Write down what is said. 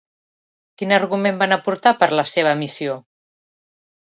Quin argument van aportar per la seva emissió?